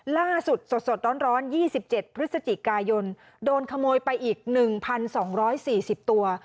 ล่าสุดสดร้อน๒๗พฤศจิกายนโดนขโมยไปอีก๑๒๔๐ตัว